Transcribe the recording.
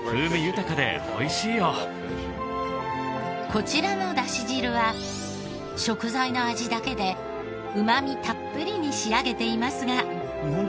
こちらのだし汁は食材の味だけでうまみたっぷりに仕上げていますが。